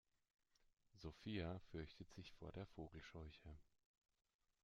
Sophia fürchtet sich vor der Vogelscheuche.